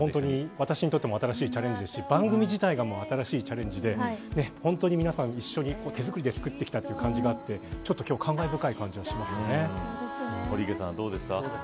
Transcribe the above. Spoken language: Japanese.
私にとっても新しいチャレンジですし番組自体も新しいチャレンジで皆さん一緒に手作りで作ってきた感じがあってちょっと今日、感慨深い堀池さん、どうでしたか。